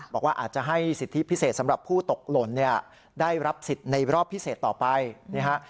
บอกว่าอาจจะให้สิทธิพิเศษสำหรับผู้ตกหล่นเนี่ยได้รับสิทธิ์ในรอบพิเศษต่อไปนี่ฮะ